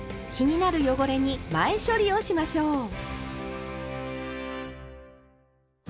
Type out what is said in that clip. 気になる汚れに前処理をしましょう。